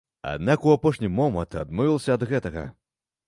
Аднак у апошні момант адмовілася ад гэтага.